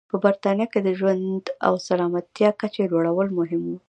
په برېټانیا کې د ژوند او سلامتیا کچې لوړول مهم و.